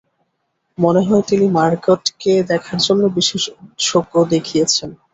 মনে হয়, তিনি মার্গটকে দেখার জন্য বিশেষ ঔৎসুক্য দেখিয়েছেন।